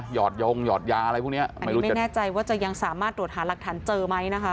หอดยงหยอดยาอะไรพวกเนี้ยไม่รู้ไม่แน่ใจว่าจะยังสามารถตรวจหาหลักฐานเจอไหมนะคะ